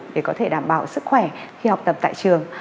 để có thể đảm bảo sức khỏe khi học tập tại trường